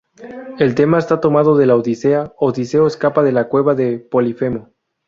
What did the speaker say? El tema está tomado de la Odisea: Odiseo escapa de la cueva de Polifemo.